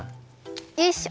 よいしょ。